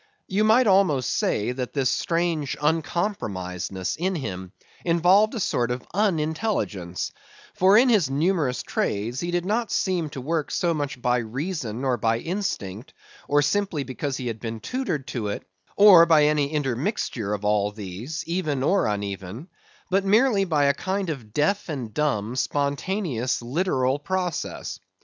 You might almost say, that this strange uncompromisedness in him involved a sort of unintelligence; for in his numerous trades, he did not seem to work so much by reason or by instinct, or simply because he had been tutored to it, or by any intermixture of all these, even or uneven; but merely by a kind of deaf and dumb, spontaneous literal process.